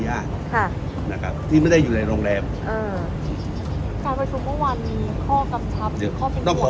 การประชุมเมื่อวานมีข้อกำชับหรือข้อกำชับอะไรเป็นพิเศษ